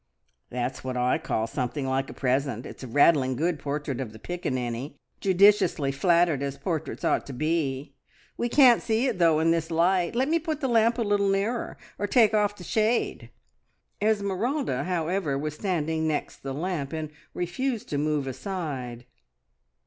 "That's what I call something like a present! It's a rattling good portrait of the Piccaninny, judiciously flattered as portraits ought to be. We can't see it, though, in this light. Let me put the lamp a little nearer, or take off the shade." Esmeralda, however, was standing next the lamp, and refused to move aside.